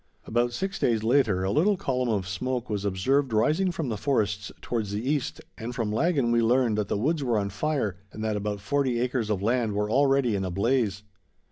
About six days later, a little column of smoke was observed rising from the forests towards the east, and from Laggan we learned that the woods were on fire, and that about forty acres of land were already in a blaze.